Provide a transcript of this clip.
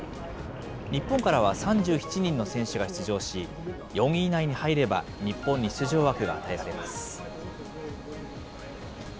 日本からは３７人の選手が出場し、４位以内に入れば、日本に出場枠が与えられます。